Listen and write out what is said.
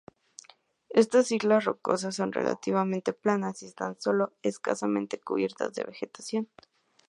Estas islas rocosas son relativamente planas y están solo escasamente cubiertas de vegetación.